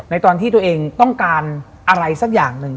ตอนที่ตัวเองต้องการอะไรสักอย่างหนึ่ง